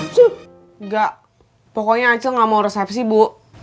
tuh nggak pokoknya acil nggak mau resepsi bu